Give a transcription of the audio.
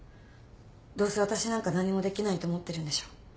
どうせ私なんか何もできないと思ってるんでしょ。